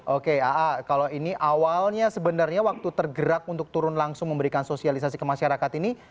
oke aa kalau ini awalnya sebenarnya waktu tergerak untuk turun langsung memberikan sosialisasi ke masyarakat ini